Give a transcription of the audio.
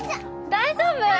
大丈夫？